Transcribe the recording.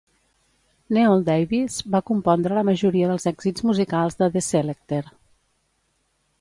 Neol Davies va compondre la majoria dels èxits musicals de The Selecter.